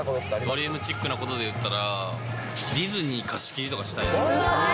ドリームチックなことでいったら、ディズニー貸し切りとかしたいですね。